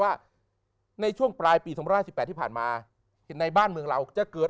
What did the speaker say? ว่าในช่วงปลายปี๒๕๑๘ที่ผ่านมาเห็นในบ้านเมืองเราจะเกิด